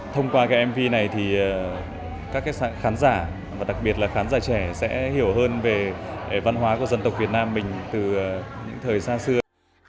thông qua cái mv này thì các khán giả và đặc biệt là khán giả trẻ sẽ hiểu hơn về văn hóa của dân tộc việt nam mình từ những thời gian xưa